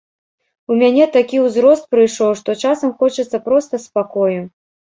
У мяне такі ўзрост прыйшоў, што часам хочацца проста спакою.